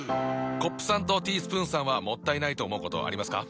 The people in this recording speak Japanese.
コップさんとティースプーンさんはもったいないと思うことありますか？